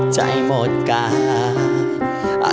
ผมก็จะบอกครับว่า